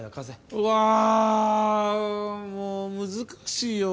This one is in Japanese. うわもう難しいよ。